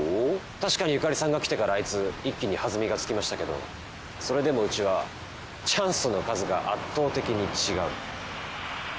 確かにゆかりさんが来てからあいつ一気に弾みがつきましたけどそれでもうちはチャンスの数が圧倒的に違う。